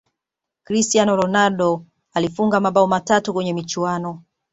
cristiano ronaldo alifunga mabao matatu kwenye michuano